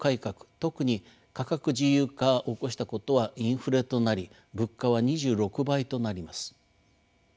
特に価格自由化を起こしたことはインフレとなり物価は２６倍となります。